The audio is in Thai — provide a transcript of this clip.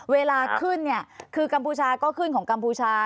เวลาขึ้นเนี่ยคือกัมพูชาก็ขึ้นของกัมพูชา